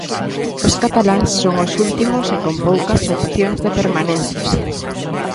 Os cataláns son os últimos e con poucas opcións de permanencia.